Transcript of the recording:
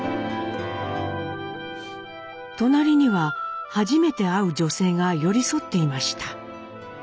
隣には初めて会う女性が寄り添っていました。